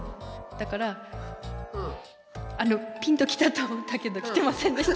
だからあのピンときたと思ったけどきてませんでした。